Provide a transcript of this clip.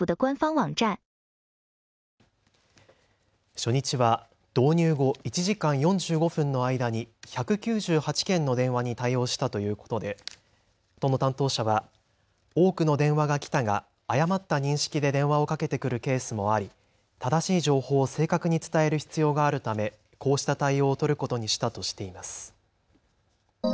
初日は導入後１時間４５分の間に１９８件の電話に対応したということで都の担当者は多くの電話が来たが誤った認識で電話をかけてくるケースもあり正しい情報を正確に伝える必要があるためこうした対応を取ることにしたとしています。